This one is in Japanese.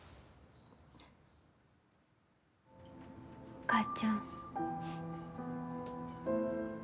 お母ちゃん。